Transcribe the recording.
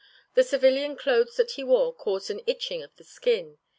The civilian clothes that he wore caused an itching of the skin.